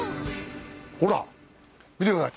ほら見てください。